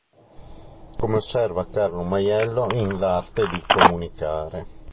Come osserva Carlo Maiello in "L'arte di comunicare.